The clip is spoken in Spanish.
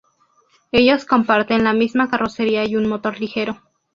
Ellos comparten la misma carrocería y un motor ligero.